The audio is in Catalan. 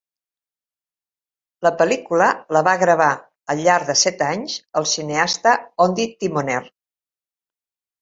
La pel·lícula la va gravar al llarg de set anys el cineasta Ondi Timoner.